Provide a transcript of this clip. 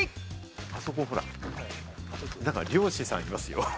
あそこ、ほら、漁師さんがいますよ。